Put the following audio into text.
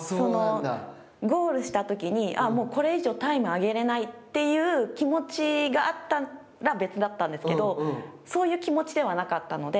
ゴールしたときにああ、もうこれ以上タイム上げれないっていう気持ちがあったら別だったんですけどそういう気持ちではなかったので。